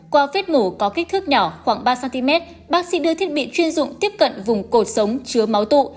qua vết mổ có kích thước nhỏ khoảng ba cm bác sĩ đưa thiết bị chuyên dụng tiếp cận vùng cột sống chứa máu tụ